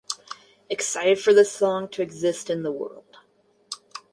Excited for this song to exist in the world.